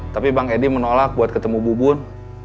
tapi bang edi menolak buat ketemu bubun